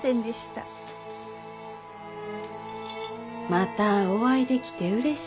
またお会いできてうれしい。